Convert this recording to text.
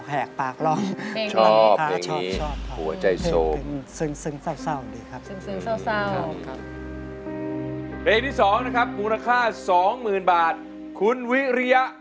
ฮคุณส์แกร่งร้องได้ดี